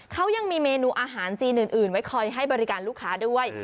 เขายังมีเมนูอาหารจีนอื่นไว้คอยให้บริการลูกค้าด้วย